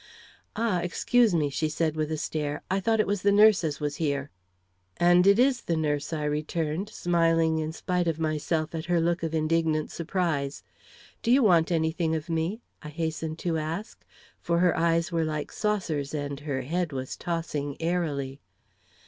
"Ah, excuse me," she said, with a stare; "I thought it was the nurse as was here." "And it is the nurse," I returned, smiling in spite of myself at her look of indignant surprise. "Do you want any thing of me?" I hastened to ask, for her eyes were like saucers and her head was tossing airily.